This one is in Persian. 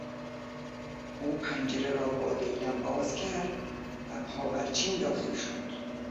او پنجره را با دیلم باز کرد و پاورچین داخل شد.